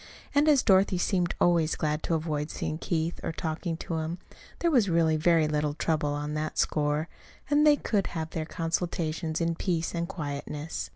And as Dorothy seemed always glad to avoid seeing Keith or talking to him, there was really very little trouble on that score; and they could have their consultations in peace and quietness.